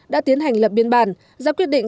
đã tiến hành lập biên bản ra quyết định